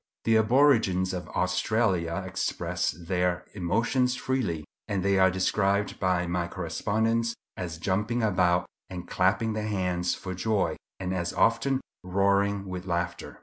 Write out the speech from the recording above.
The aborigines of Australia express their emotions freely, and they are described by my correspondents as jumping about and clapping their hands for joy, and as often roaring with laughter.